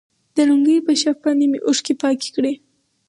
د لونگۍ په شف باندې مې اوښکې پاکې کړي.